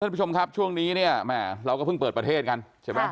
ท่านผู้ชมครับช่วงนี้เนี่ยแหมเราก็เพิ่งเปิดประเทศกันใช่ไหม